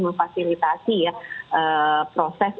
memfasilitasi ya proses